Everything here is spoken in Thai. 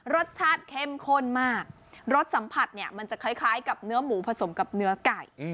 รสชาติเข้มข้นมากรสสัมผัสเนี่ยมันจะคล้ายกับเนื้อหมูผสมกับเนื้อไก่